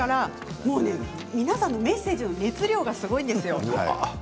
皆さんのメッセージの熱量がすごいんですよ。